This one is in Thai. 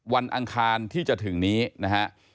อังคารที่จะถึงนี้นะฮะ